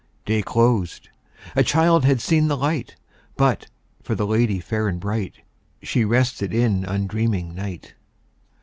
Day closed; a child had seen the light; But, for the lady fair and bright, She rested in undreaming night.